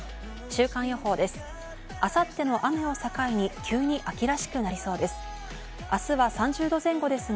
週間予報です。